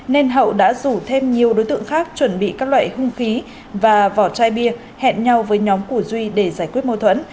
nên hậu đã rủ thêm nhiều đối tượng khác chuẩn bị các loại hung khí và vỏ chai bia hẹn nhau với nhóm của duy để giải quyết mâu thuẫn